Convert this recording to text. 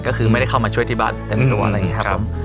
ก็คือไม่ได้เข้ามาช่วยที่บ้านเต็มตัวอะไรอย่างนี้ครับผม